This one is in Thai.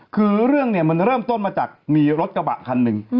คือเรื่องเนี่ยมันเริ่มต้นมาจากมีรถกระบะคันหนึ่ง